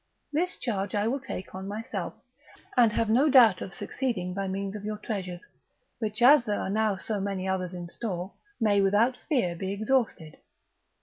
This charge I will take on myself, and have no doubt of succeeding by means of your treasures, which, as there are now so many others in store, may without fear be exhausted."